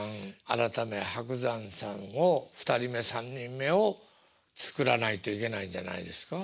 改め伯山さんを２人目３人目をつくらないといけないんじゃないですか？